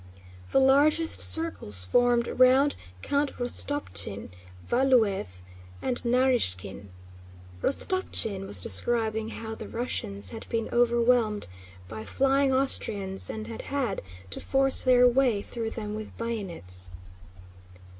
The largest circles formed round Count Rostopchín, Valúev, and Narýshkin. Rostopchín was describing how the Russians had been overwhelmed by flying Austrians and had had to force their way through them with bayonets.